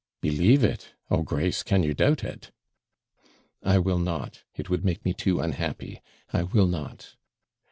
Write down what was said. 'Believe it! Oh, Grace, can you doubt it?' 'I will not; it would make me too unhappy. I will not.'